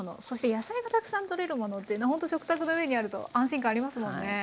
そして野菜がたくさんとれるものっていうのほんと食卓の上にあると安心感ありますもんね。